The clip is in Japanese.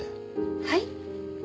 はい？